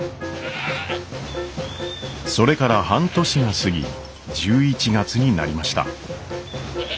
それから半年が過ぎ１１月になりました。